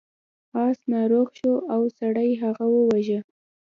اس ناروغ شو او سړي هغه وواژه.